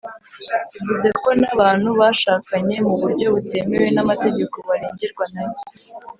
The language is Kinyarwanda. bivuze ko n’abantu bashakanye mu buryo butemewe n’amategeko barengerwa nayo.